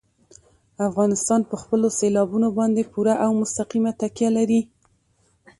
افغانستان په خپلو سیلابونو باندې پوره او مستقیمه تکیه لري.